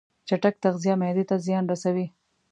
چټک تغذیه معدې ته زیان رسوي.